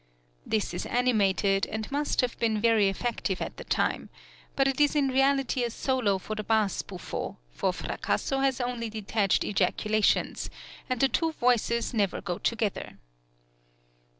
This is animated, and must have been very effective at the time; but it is in reality a solo for the bass buffo, for Fracasso has only detached ejaculations, and the two voices never go together.